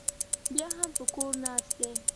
بیا هم په کور ناست دی.